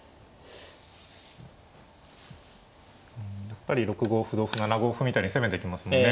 やっぱり６五歩同歩７五歩みたいに攻めてきますもんね。